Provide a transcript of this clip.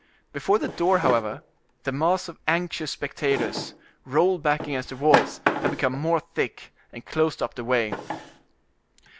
Before the door, however, the mass of anxious spectators, rolled back against the walls, had become more thick, and closed up the way.